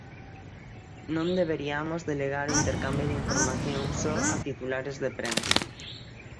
Non deberiamos delegar o intercambio de información só a titulares de prensa.